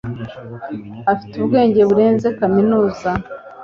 afite ubwenge burenze kaminuza